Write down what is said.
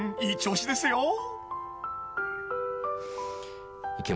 いい調子ですよ］